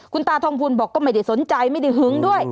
คุณตาทองพูลบอกก็ไม่ได้สนใจไม่ได้หึงด้วย